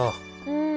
うん。